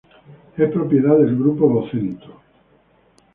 Es propiedad del Grupo Vocento.